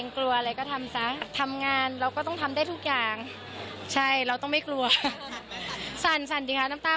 ก็คิดแล้วว่าทำ